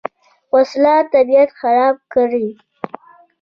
وسله طبیعت خرابه کړي